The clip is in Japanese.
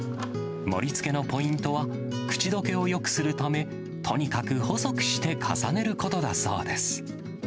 盛りつけのポイントは、口どけをよくするため、とにかく細くして重ねることだそうです。